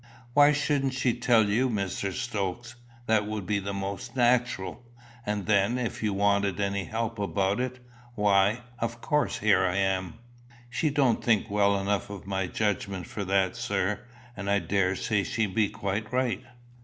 "Why shouldn't she tell you, Mr. Stokes? That would be most natural. And then, if you wanted any help about it, why, of course, here I am." "She don't think well enough of my judgment for that, sir; and I daresay she be quite right.